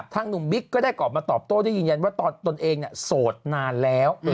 หนุ่มบิ๊กก็ได้ออกมาตอบโต้ได้ยืนยันว่าตนเองโสดนานแล้ว